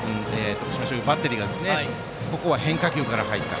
徳島商業のバッテリーがここは変化球から入った。